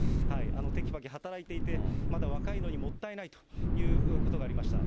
てきぱき働いていて、まだ若いのに、もったいないということがありました。